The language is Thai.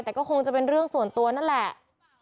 แต่ก็คงจะเป็นเรื่องส่วนตัวนั่นแหละ